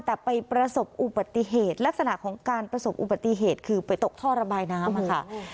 แต่ไปประสบอุบัติเหตุลักษณะของการประสบอุบัติเหตุคือไปตกท่อระบายน้ำค่ะ